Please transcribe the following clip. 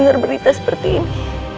dengar berita seperti ini